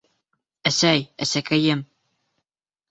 Әсәй, әсәкәйем!